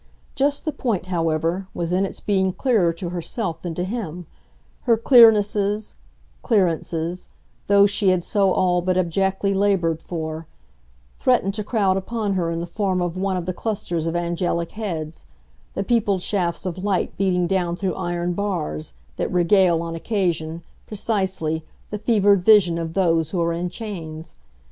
Just the point, however, was in its being clearer to herself than to him; her clearnesses, clearances those she had so all but abjectly laboured for threatened to crowd upon her in the form of one of the clusters of angelic heads, the peopled shafts of light beating down through iron bars, that regale, on occasion, precisely, the fevered vision of those who are in chains.